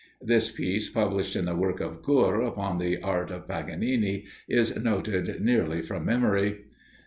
This piece, published in the work of Guhr, upon the art of Paganini[P] is noted nearly from memory.